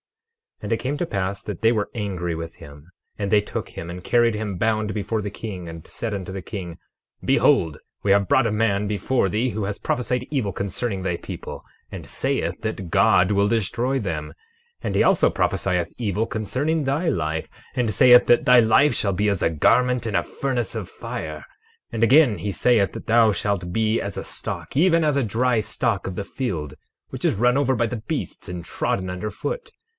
12:9 And it came to pass that they were angry with him; and they took him and carried him bound before the king, and said unto the king: Behold, we have brought a man before thee who has prophesied evil concerning thy people, and saith that God will destroy them. 12:10 And he also prophesieth evil concerning thy life, and saith that thy life shall be as a garment in a furnace of fire. 12:11 And again, he saith that thou shalt be as a stalk, even as a dry stalk of the field, which is run over by the beasts and trodden under foot.